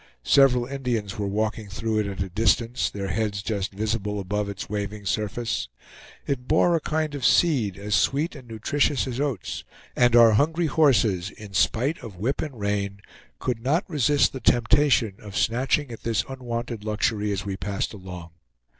Several Indians were walking through it at a distance, their heads just visible above its waving surface. It bore a kind of seed as sweet and nutritious as oats; and our hungry horses, in spite of whip and rein, could not resist the temptation of snatching at this unwonted luxury as we passed along.